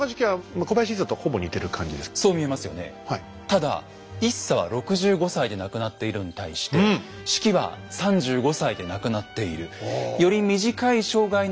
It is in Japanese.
ただ一茶は６５歳で亡くなっているのに対して子規は３５歳で亡くなっている。